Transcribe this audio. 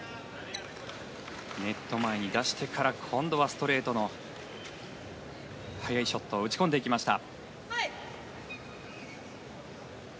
ネット前に出してから今度はストレートの速いショット打ち込んでいきました。